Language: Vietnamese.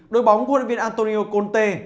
đối bóng của huấn luyện viên antonio conte